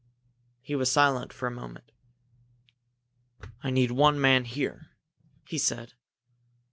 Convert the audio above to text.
He was silent for a moment. "I need one man here," he said.